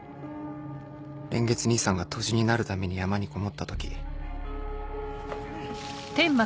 蓮月兄さんが杜氏になるために山にこもった時。